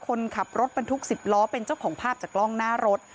คนขับรถบรรทุก๑๐ล้อเป็นเจ้าของภาพจากกล้องหน้ารถ